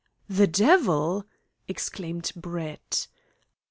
"The devil!" exclaimed Brett.